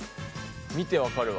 見て分かるわ。